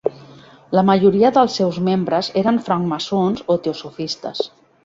La majoria dels seus membres eren francmaçons o teosofistes.